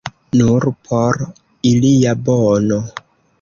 Nur por ilia bono.